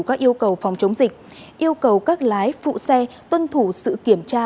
các yêu cầu phòng chống dịch yêu cầu các lái phụ xe tuân thủ sự kiểm tra